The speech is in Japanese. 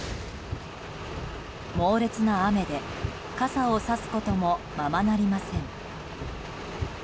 猛烈な雨で傘をさすこともままなりません。